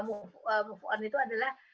move on itu adalah